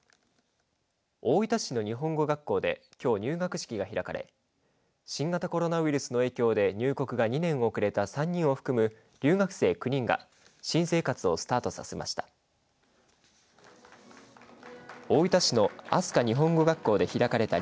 大分市の日本語学校できょう、入学式が開かれ新型コロナウイルスの影響で入国が２年遅れた３人を含む留学生９人が新生活をスタートさせました。